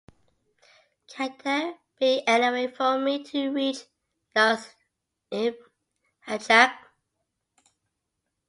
Can there be any way for me to reach Nasr ibn Hajjaj?